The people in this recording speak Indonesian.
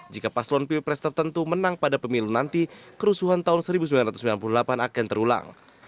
jika paslon pilpres tertentu menang pada pemilu nanti kerusuhan tahun seribu sembilan ratus sembilan puluh delapan akan terulang